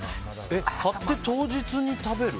買って当日に食べる？